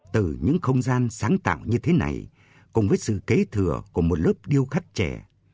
từ những không gian sáng tạo như thế này cùng với sự kế thừa của một lớp điêu khắc trẻ